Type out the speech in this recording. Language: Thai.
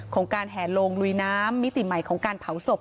ของการแห่โลงลุยน้ำมิติใหม่ของการเผาศพ